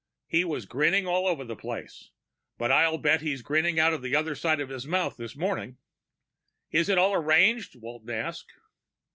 He was grinning all over the place but I'll bet he's grinning out of the other side of his mouth this morning." "Is it all arranged?" Walton asked.